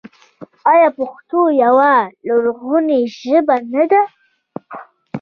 آیا پښتو یوه لرغونې ژبه نه ده؟